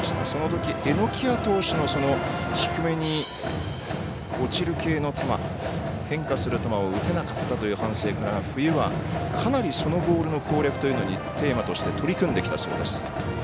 そのとき榎谷投手の低めに落ちる系の球変化する球を打てなかったという反省から冬はかなりそのボールの攻略というのにテーマとして取り組んできたそうです。